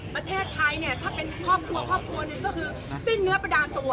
ประเทศไทยถ้าเป็นครอบครัว๑คือสิ้นเนื้อผนตัว